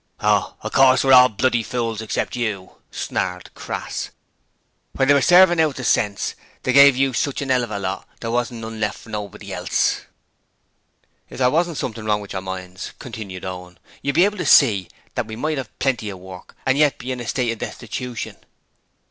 'Oh, of course we're all bloody fools except you,' snarled Crass. 'When they were servin' out the sense, they give you such a 'ell of a lot, there wasn't none left for nobody else.' 'If there wasn't something wrong with your minds,' continued Owen, 'you would be able to see that we might have "Plenty of Work" and yet be in a state of destitution.